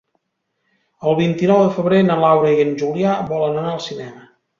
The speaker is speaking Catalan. El vint-i-nou de febrer na Laura i en Julià volen anar al cinema.